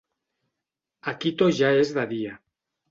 A Quito ja és de dia.